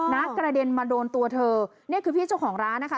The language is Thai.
กระเด็นมาโดนตัวเธอนี่คือพี่เจ้าของร้านนะคะ